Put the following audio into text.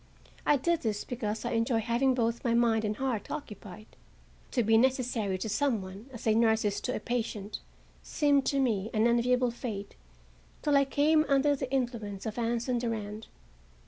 I did this because I enjoy having both my mind and heart occupied. To be necessary to some one, as a nurse is to a patient, seemed to me an enviable fate till I came under the influence of Anson Durand.